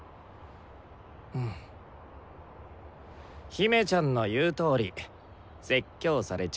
姫ちゃんの言うとおり説教されちった。